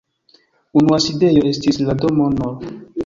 Unua sidejo estis la domo nr.